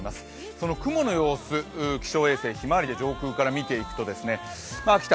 その雲の様子、気象衛星「ひまわり」で上空から見ていくと、秋田